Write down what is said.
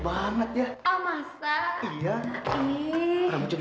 bukan begitu bukan gitu